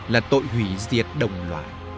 là tội hủy diệt đồng loại